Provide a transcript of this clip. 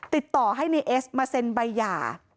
ติดต่อให้ในเอสมาเซ็นใบหย่า